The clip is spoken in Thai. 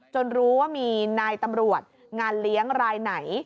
รู้ว่ามีนายตำรวจงานเลี้ยงรายไหน